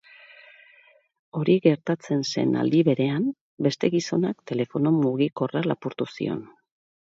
Hori gertatzen zen aldi berean, beste gizonak telefono mugikorra lapurtu zion.